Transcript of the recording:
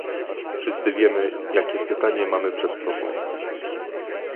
Wszyscy wiemy, jakie pytanie mamy przed sobą